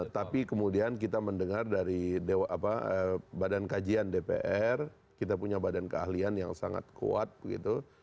tapi kemudian kita mendengar dari badan kajian dpr kita punya badan keahlian yang sangat kuat gitu